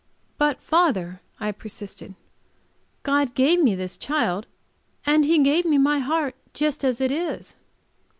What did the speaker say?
"But, father," I persisted, "God gave me this child, and He gave me my heart, just as it is."